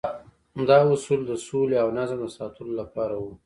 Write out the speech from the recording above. دا اصول د سولې او نظم د ساتلو لپاره وو.